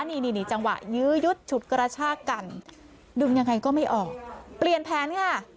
นี่นี่จังหวะยื้อยุดฉุดกระชากกันดึงยังไงก็ไม่ออกเปลี่ยนแผนค่ะ